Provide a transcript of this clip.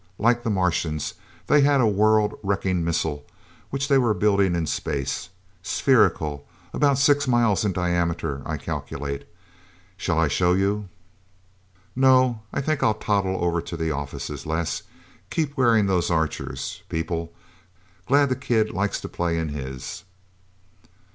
Like the Martians, they had a world wrecking missile, which they were building in space. Spherical. About six miles in diameter, I calculate. Shall I show you?" "No... I think I'll toddle over to the offices, Les. Keep wearing those Archers, people. Glad the kid likes to play in his..."